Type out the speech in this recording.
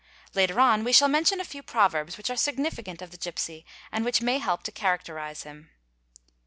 Later on we shall mention a j few proverbs which are significant of the gipsy and which may help t characterise him.